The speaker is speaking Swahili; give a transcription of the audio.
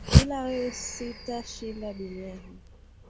Bila wewe sita shinda dunia hii